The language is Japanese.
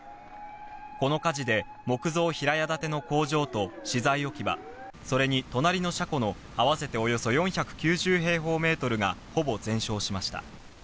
この火事で木造平屋建ての工場と資材置き場、それに隣の車庫の合わせておよそ４９０平方メートルがほぼ全焼しました。